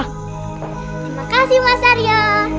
terima kasih mas aryo